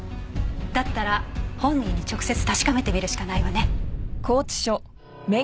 だったら本人に直接確かめてみるしかないわね。